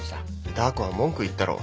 ダー子は文句言ったろ。